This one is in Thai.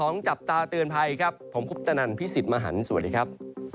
นะครับ